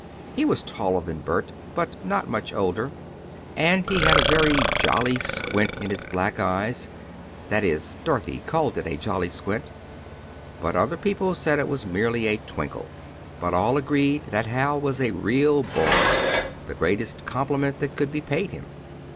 He was taller than Bert, but not much older, and he had a very "jolly squint" in his black eyes; that is, Dorothy called it a "jolly squint," but other people said it was merely a twinkle. But all agreed that Hal was a real boy, the greatest compliment that could be paid him.